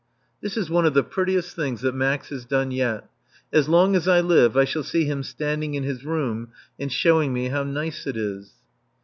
(This is one of the prettiest things that Max has done yet! As long as I live I shall see him standing in his room and showing me how nice it is.)